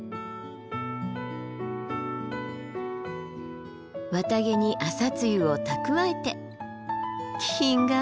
綿毛に朝露を蓄えて気品があるなあ。